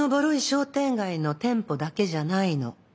商店街の店舗だけじゃないの。